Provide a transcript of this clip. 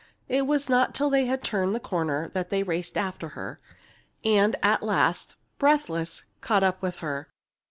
It was not till they had turned the corner that they raced after her, and at last, breathless, caught up with her.